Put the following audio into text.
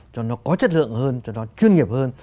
cho nó có chất lượng hơn cho nó chuyên nghiệp hơn